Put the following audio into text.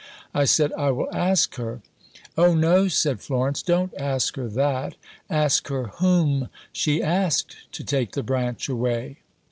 I said, 'I will ask her.' 'Oh, no,' said Florence, 'don't ask her that. Ask her whom she asked to take the branch away.'"